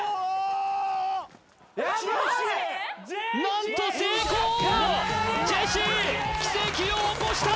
何とジェシー奇跡を起こした！